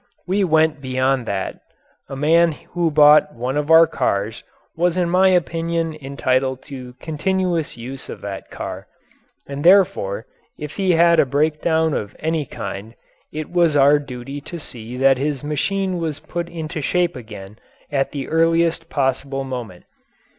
We went beyond that. A man who bought one of our cars was in my opinion entitled to continuous use of that car, and therefore if he had a breakdown of any kind it was our duty to see that his machine was put into shape again at the earliest possible moment.